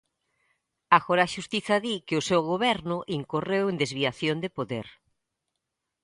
Agora a xustiza di que o seu goberno incorreu en desviación de poder.